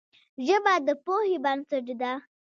ژبه د پوهې بنسټ ده